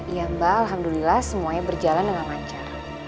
iya mbak alhamdulillah semuanya berjalan dengan lancar